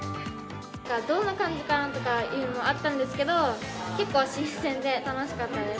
どんな感じかなというのがいろいろあったんですけど、結構新鮮で楽しかったです。